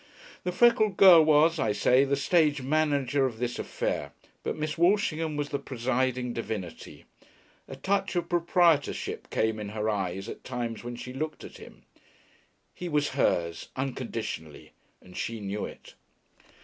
The freckled girl was, I say, the stage manager of this affair, but Miss Walshingham was the presiding divinity. A touch of proprietorship came in her eyes at times when she looked at him. He was hers unconditionally and she knew it.